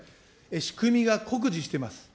仕組みが酷似しています。